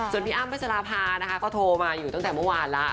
ส่วนพี่อ้ำพัชราภานะคะก็โทรมาอยู่ตั้งแต่เมื่อวานแล้ว